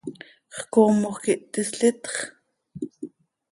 ¿Xcoomoj quih tislitx?